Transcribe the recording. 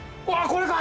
これか！